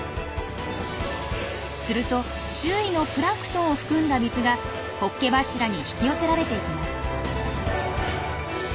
すると周囲のプランクトンを含んだ水がホッケ柱に引き寄せられていきます。